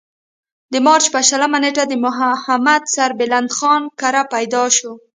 د مارچ پۀ شلمه نېټه د محمد سربلند خان کره پېدا شو ۔